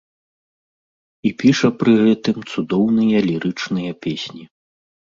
І піша пры гэтым цудоўныя лірычныя песні.